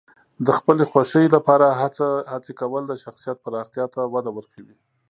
د خپلې خوښې لپاره هڅې کول د شخصیت پراختیا ته وده ورکوي.